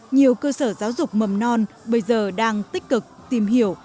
nhiều cơ sở giáo dục mầm non bây giờ đang tích cực tìm hiểu